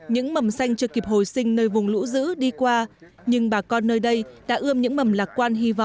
những mầm xanh chưa kịp hồi sinh nơi vùng lũ dữ đi qua nhưng bà con nơi đây đã ươm những mầm lạc quan hy vọng